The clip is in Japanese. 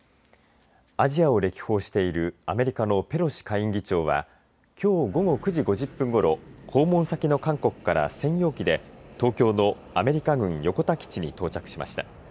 アジアを歴訪しているアメリカのペロシ下院議長はきょう午後９時５０分ごろ訪問先の韓国から専用機で東京のアメリカ軍横田基地に到着しました。